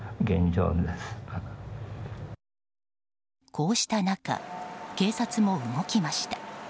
こうした中、警察も動きました。